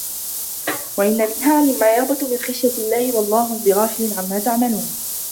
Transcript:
ۚ وَإِنَّ مِنْهَا لَمَا يَهْبِطُ مِنْ خَشْيَةِ اللَّهِ ۗ وَمَا اللَّهُ بِغَافِلٍ عَمَّا تَعْمَلُونَ